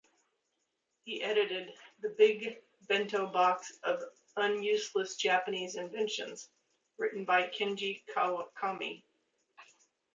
He edited "The Big Bento Box of Unuseless Japanese Inventions", written by Kenji Kawakami.